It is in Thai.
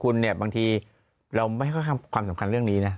คุณเนี่ยบางทีเราไม่ค่อยให้ความสำคัญเรื่องนี้นะ